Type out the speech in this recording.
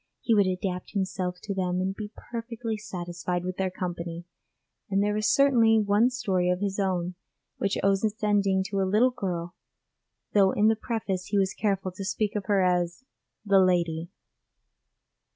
He would adapt himself to them and be perfectly satisfied with their company, and there is certainly one story of his own which owes its ending to a little girl, though in the Preface he was careful to speak of her as 'The Lady.'